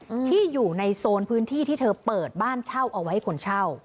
อืมที่อยู่ในโซนพื้นที่ที่เธอเปิดบ้านเช่าเอาไว้ให้คนเช่า